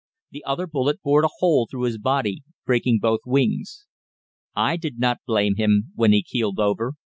The other bullet bored a hole through his body, breaking both wings. I did not blame him when he keeled over.